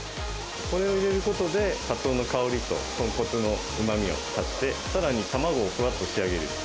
これを入れることで、かつおの香りと豚骨のうまみを足して、さらに卵をふわっと仕上げる。